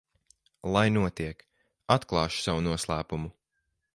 Lai notiek, atklāšu savu noslēpumu.